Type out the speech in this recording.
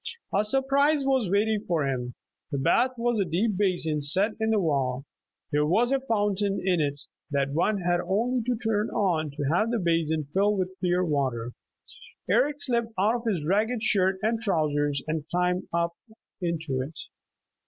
A surprise was waiting for him. The bath was a deep basin set in the wall. There was a fountain in it that one had only to turn on to have the basin fill with clear water. Eric slipped out of his ragged shirt and trousers and climbed up into it.